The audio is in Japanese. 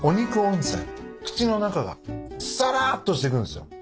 口の中がさらっとしてくんすよ。